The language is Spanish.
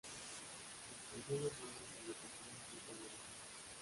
La expansión urbana sobrepasó mucho el plan original.